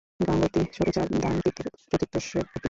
গঙ্গোত্রী ছোট চার ধাম তীর্থ-চতুষ্টয়ের একটি।